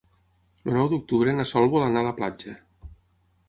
El nou d'octubre na Sol vol anar a la platja.